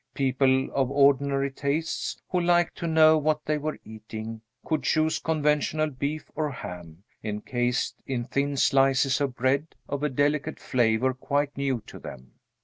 People of ordinary tastes, who liked to know what they were eating, could choose conventional beef or ham, encased in thin slices of bread of a delicate flavor quite new to them.